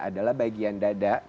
adalah bagian dada